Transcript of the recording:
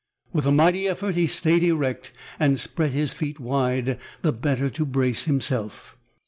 With a mighty effort, he stayed erect and spread his feet wide, the better to brace himself.